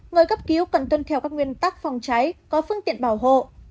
người cấp cứu cần tuân theo các nguyên tắc phòng cháy có phương tiện bảo hộ